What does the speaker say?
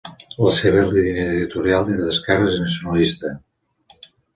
La seva línia editorial era d'esquerres i nacionalista.